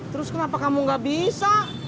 terus kenapa kamu gak bisa